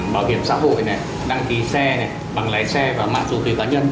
bảo hiểm xã hội này đăng ký xe này bằng lái xe và mạng dù tùy cá nhân